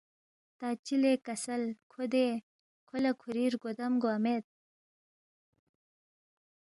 تا چِہ لے کسل کھو دے، کھو لہ کھُوری رگو دم گوا مید